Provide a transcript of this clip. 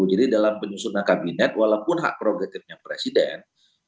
jadi dalam penyusunan kabinet walaupun hak prerogatifnya presiden